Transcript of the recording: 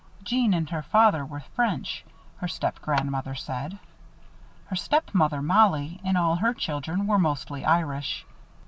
Jeanne and her father were French, her stepgrandmother said. Her stepmother, Mollie, and all her children were mostly Irish.